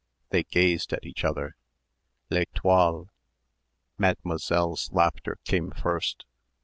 They gazed at each other. "Les toiles ..." Mademoiselle's laughter came first.